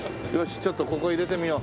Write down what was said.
ちょっとここ入れてみよう。